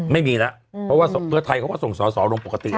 ไม่มีแล้วเพราะว่าเพื่อไทยเขาก็ส่งสอสอลงปกติ